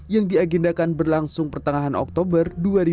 yang diagendakan berlangsung pertengahan oktober dua ribu dua puluh